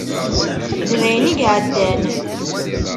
D wayen i iɛeddan.